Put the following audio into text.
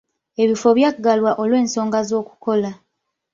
Ebifo byaggalwa olw'ensoga z'okukola.